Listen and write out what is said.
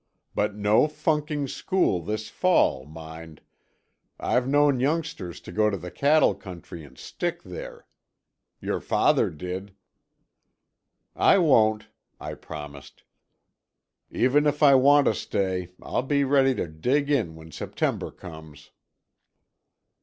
But no funking school this fall, mind. I've known youngsters to go to the cattle country and stick there. Your father did." "I won't," I promised, "even if I want to stay, I'll be ready to dig in when September comes."